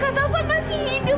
kata ovan masih hidup